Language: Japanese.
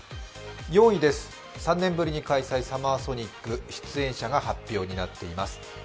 ４位です、３年ぶりに開催、ＳＵＭＭＥＲＳＯＮＩＣ、出演者が発表になっています。